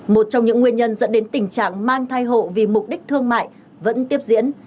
một trong những nguyên nhân dẫn đến tình trạng mang thai hộ vì mục đích thương mại vẫn tiếp diễn